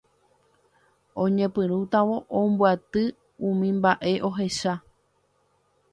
Oñepyrũtavo ombyaty umi mba'e ohecha